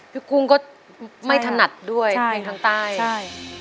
กุ้งก็ไม่ถนัดด้วยเพลงทางใต้ใช่